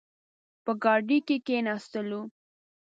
په ګاډۍ کې کښېناستلو.